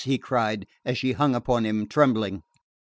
he cried, as she hung upon him trembling.